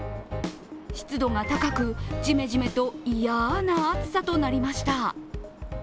湿度が高く、じめじめと嫌な暑さとなりました。